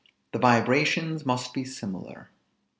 THE VIBRATIONS MUST BE SIMILAR.